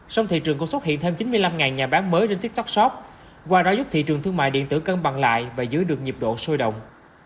sông thị trường cũng xuất hiện thêm chín mươi năm nhà bán mới trên tiktok shop qua đó giúp thị trường thương mại điện tử cân bằng lại và giữ được nhiệm độ sôi động